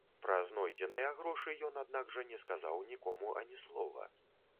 Пра знойдзеныя грошы ён, аднак жа, не сказаў нікому ані слова.